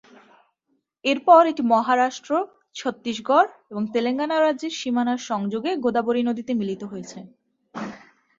এরপর এটি মহারাষ্ট্র, ছত্তিশগড় এবং তেলেঙ্গানা রাজ্যের সীমানার সংযোগে গোদাবরী নদীতে মিলিত হয়েছে।